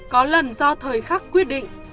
có lần do thời khắc quyết định